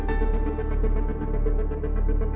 hantu kt sarung